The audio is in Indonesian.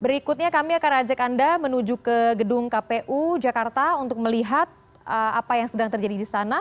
berikutnya kami akan ajak anda menuju ke gedung kpu jakarta untuk melihat apa yang sedang terjadi di sana